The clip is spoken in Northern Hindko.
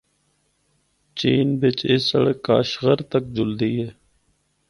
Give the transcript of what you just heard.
چین بچ اے سڑک کاشغر تک جُلدی ہے۔